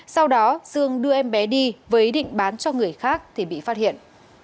sau đó dương đưa em bé đi với ý định bán cho người khác thì bị phát hiện